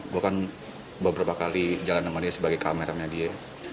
gue kan beberapa kali jalan sama dia sebagai kameranya dia